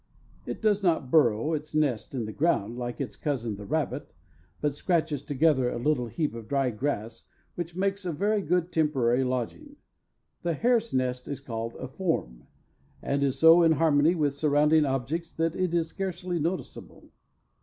It does not burrow its nest in the ground, like its cousin the rabbit, but scratches together a little heap of dry grass, which makes a very good temporary lodging. The hare's nest is called a "form," and is so in harmony with surrounding objects that it is scarcely noticeable.